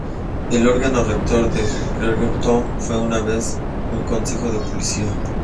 El órgano rector de Georgetown fue una vez un Consejo de Policía.